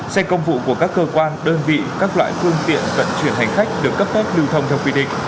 xe công vụ của các cơ quan đơn vị các loại phương tiện vận chuyển hành khách được cấp phép lưu thông theo quy định